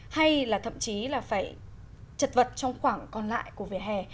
hay là thậm chí là phải chật vật trong khoảng còn lại của vỉa hè